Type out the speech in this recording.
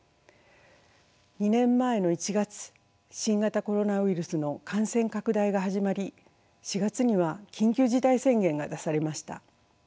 ２年前の１月新型コロナウイルスの感染拡大が始まり４月には緊急事態宣言が出されました。